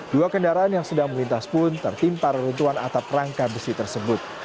dua kendaraan yang sedang melintas pun tertimpa reruntuhan atap rangka besi tersebut